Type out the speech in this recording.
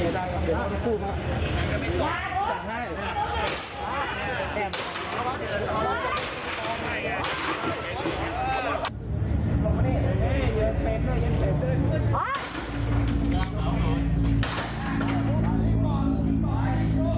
เดี๋ยวได้เดี๋ยวพวกมันพูดมา